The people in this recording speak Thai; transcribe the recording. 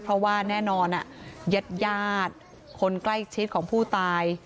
เพราะว่าแน่นอนยัดคนใกล้ชิดของผู้ตาย